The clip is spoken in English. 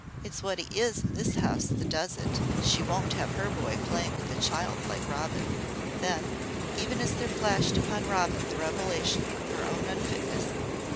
It's what he is in this house that does it. She won't have her boy playing with a child like Robin." Then even as there flashed upon Robin the revelation of her own unfitness came a knock at the door.